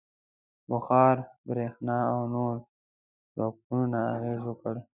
• بخار، برېښنا او نورو ځواکونو اغېز وکړ.